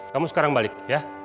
kamu sekarang balik ya